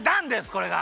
これが。